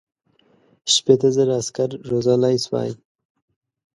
شپېته زره عسکر روزلای سوای.